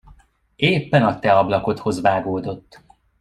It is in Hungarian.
Éppen a te ablakodhoz vágódott.